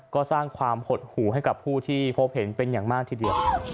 ก็สร้างความหดหูให้กับผู้ที่พบเห็นเป็นอย่างมากทีเดียว